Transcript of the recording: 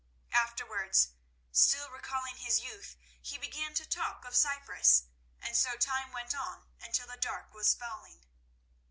Afterwards, still recalling his youth, he began to talk of Cyprus, and so time went on until the dark was falling.